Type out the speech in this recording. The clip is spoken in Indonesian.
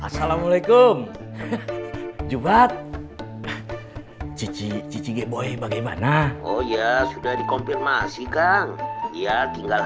assalamualaikum jumat cici cicigi boy bagaimana oh ya sudah dikonfirmasi kang ya tinggal